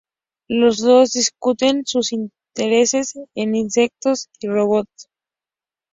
Los dos discuten sus intereses en insectos y robots.